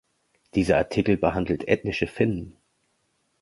Dieser Artikel behandelt ethnische Finnen.